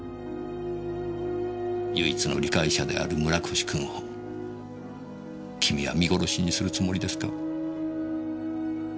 唯一の理解者である村越君を君は見殺しにするつもりですか？